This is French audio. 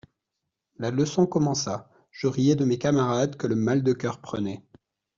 La leçon commença : je riais de mes camarades que le mal de coeur prenait.